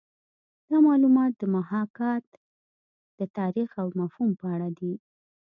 دا معلومات د محاکات د تاریخ او مفهوم په اړه دي